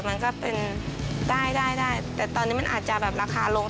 มันก็เป็นได้ได้แต่ตอนนี้มันอาจจะแบบราคาลง